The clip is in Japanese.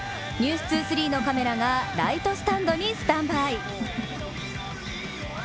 「ｎｅｗｓ２３」のカメラがライトスタンドにスタンバイ。